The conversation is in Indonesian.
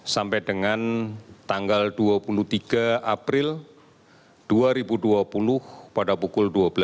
sampai dengan tanggal dua puluh tiga april dua ribu dua puluh pada pukul dua belas